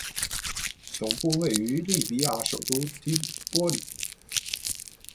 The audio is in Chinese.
总部位于利比亚首都黎波里。